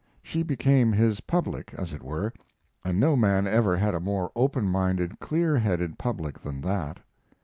She became his public, as it were, and no man ever had a more open minded, clear headed public than that.